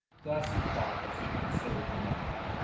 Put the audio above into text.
Thus he thought as he considered the map.